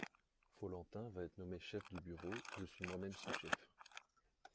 Follentin va être nommé chef du bureau où je suis moi-même sous-chef !